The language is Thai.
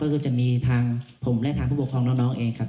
ก็คือจะมีทางผมและทางผู้ปกครองน้องเองครับ